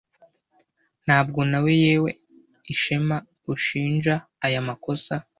Ntabwo nawe, yewe Ishema, ushinja aya makosa